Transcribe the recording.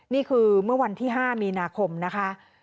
นี่คือเมื่อวันที่๕มีนาคมนะคะ